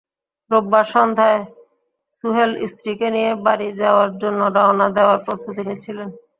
রোববার সন্ধ্যায় সুহেল স্ত্রীকে নিয়ে বাড়ি যাওয়ার জন্য রওনা দেওয়ার প্রস্তুতি নিচ্ছিলেন।